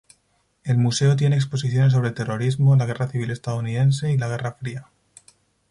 El museo tiene exposiciones sobre terrorismo, la Guerra Civil Estadounidense y la Guerra Fría.